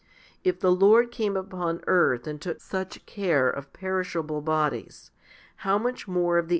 If the Lord came upon earth and took such care of perishable bodies, how much more of the 1 John i.